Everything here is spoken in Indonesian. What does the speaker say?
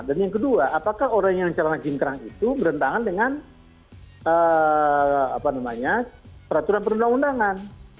dan yang kedua apakah orang yang celana jingkrang itu berantakan dengan peraturan perundang undangan